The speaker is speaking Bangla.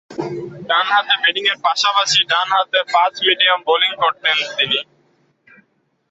ডানহাতে ব্যাটিংয়ের পাশাপাশি ডানহাতে ফাস্ট-মিডিয়াম বোলিং করতেন তিনি।